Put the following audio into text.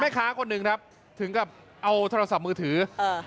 แม่ค้าคนนึงครับถึงกลับเอาโทรศัพท์มือถือ